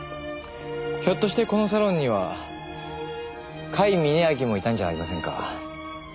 ひょっとしてこのサロンには甲斐峯秋もいたんじゃありませんか？